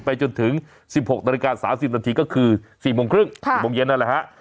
จนถึง๑๖นาฬิกา๓๐นาทีก็คือ๔โมงครึ่ง๔โมงเย็นนั่นแหละฮะ